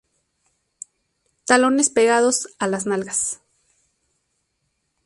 Talones pegados a las nalgas.